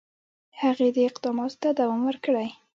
هغه دي اقداماتو ته دوام ورکړي.